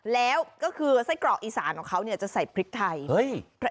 แล้วก็คือไส้กรอกอีสานของเขาเนี่ยจะใส่พริกไทย